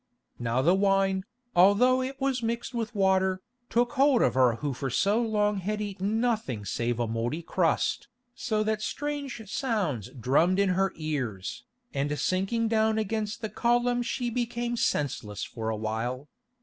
Now the wine, although it was mixed with water, took hold of her who for so long had eaten nothing save a mouldy crust, so that strange sounds drummed in her ears, and sinking down against the column she became senseless for a while.